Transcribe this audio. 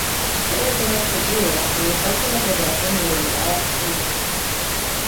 Puede comerse cruda o usarse en la preparación de mermeladas o jugos.